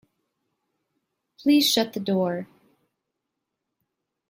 Please shut the door.